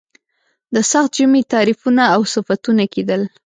د سخت ژمي تعریفونه او صفتونه کېدل.